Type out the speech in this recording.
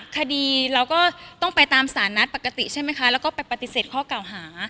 คดีเราก็ต้องไปตามสารนัดปกติเราก็ไปปฏิเสธข้อเก่าหา